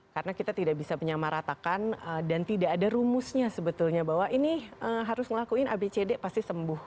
karena kita tidak bisa menyamaratakan dan tidak ada rumusnya sebetulnya bahwa ini harus ngelakuin abcd pasti sembuh